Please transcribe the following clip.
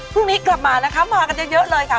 พรุ่งนี้กลับมานะคะมากันเยอะเลยค่ะ